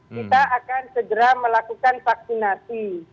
kita akan segera melakukan vaksinasi